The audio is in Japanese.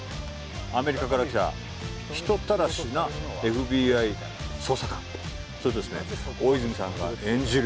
アメリカから来た人たらしなＦＢＩ捜査官それとですね大泉さんが演じる